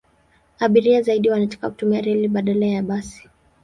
Abiria zaidi wanataka kutumia reli badala ya basi.